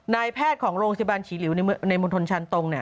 นายแพทย์ของโรงพยาบาลฉีหลิวในมณฑลชันตรง